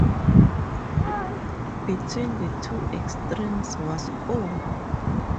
Between the two extremes was Oh!